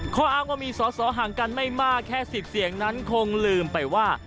ข้ออ้างว่ามีสอสอห่างกันไม่มากแค่๑๐เสียงนั้นคงลืมไปว่า